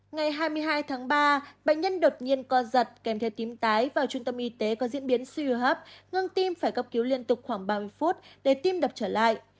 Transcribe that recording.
ngày hai mươi hai tháng ba bệnh nhân đột nhiên co giật kèm theo tím tái vào trung tâm y tế có diễn biến suy hô hấp ngưng tim phải cấp cứu liên tục khoảng ba mươi phút để tiêm đập trở lại